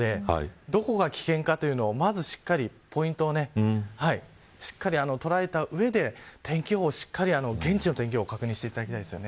どこが危険かというのをまず、しっかりポイントを捉えた上で、天気予報をしっかり現地の天気予報を確認してほしいです。